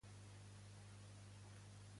Quan va deixar la política la Pilar?